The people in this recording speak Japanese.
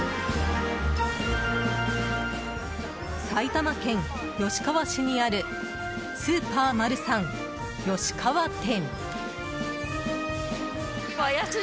埼玉県吉川市にあるスーパーマルサン吉川店。